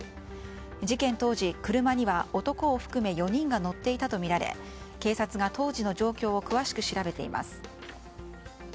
事件当時、車には男を含め４人が乗っていたとみられ警察が当時の状況を詳しく調べています。